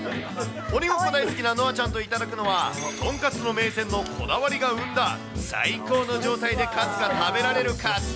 鬼ごっこ大好きな乃愛ちゃんが頂くのは、豚カツの名店のこだわりが生んだ、最高の状態でカツが食べられるカツ丼。